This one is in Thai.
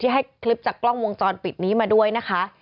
ให้คลิปจากกล้องวงจรปิดนี้มาด้วยนะคะ